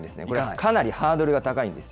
かなりハードルが高いんです。